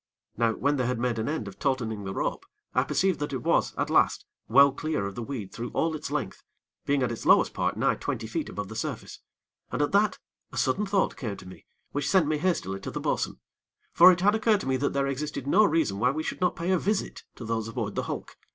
Now, when they had made an end of tautening the rope, I perceived that it was, at last, well clear of the weed through all its length, being at its lowest part nigh twenty feet above the surface, and, at that, a sudden thought came to me which sent me hastily to the bo'sun; for it had occurred to me that there existed no reason why we should not pay a visit to those aboard the hulk.